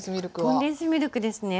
コンデンスミルクですね